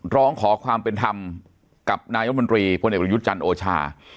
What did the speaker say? ร้องขอความเป็นธรรมกับนายธรรมดิพยจันทร์โอชา